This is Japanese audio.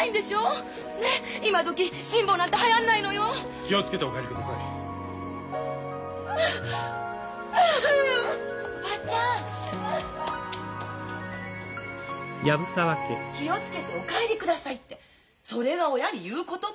「気を付けてお帰りください」ってそれが親に言う言葉？